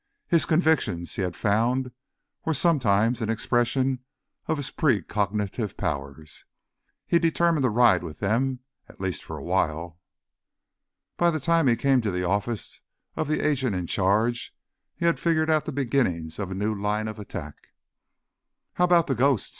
His convictions, he had found, were sometimes an expression of his precognitive powers; he determined to ride with them, at least for awhile. By the time he came to the office of the agent in charge, he had figured out the beginnings of a new line of attack. "How about the ghosts?"